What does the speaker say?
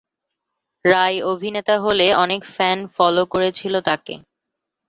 রায় অভিনেতা হলে অনেক ফ্যান ফলো করেছিলো তাকে।